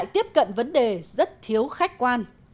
tiếp cận vấn đề rất thiếu khách quan